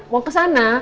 mau ke sana